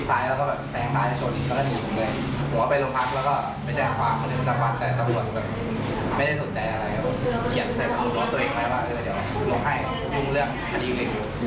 แต่ไม่ได้สนใจคดีนี้มันแบบแบบเหมือนร้อย